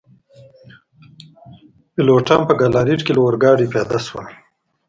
پیلوټان په ګالاریټ کي له اورګاډي پیاده شول.